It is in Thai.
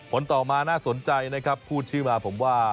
ผลต่อมาน่าสนใจนะครับพูดชื่อมาผมว่า